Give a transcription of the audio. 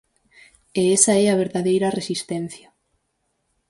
E esa é a verdadeira resistencia.